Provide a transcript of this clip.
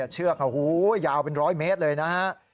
เชือกยาวเป็นร้อยเมตรเลยนะฮะ